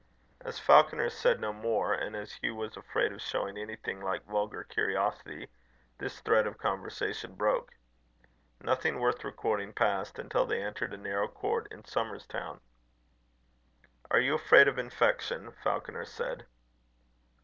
As Falconer said no more, and as Hugh was afraid of showing anything like vulgar curiosity, this thread of conversation broke. Nothing worth recording passed until they entered a narrow court in Somers Town. "Are you afraid of infection?" Falconer said.